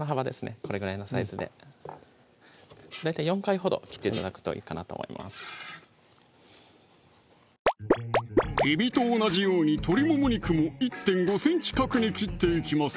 これぐらいのサイズで大体４回ほど切って頂くといいかなと思いますえびと同じように鶏もも肉も１．５ｃｍ角に切っていきます